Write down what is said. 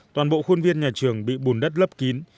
toàn bộ khuôn viên nhà trường bị bùn đất lấp kín